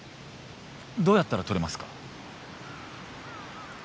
どうやったら撮れますか？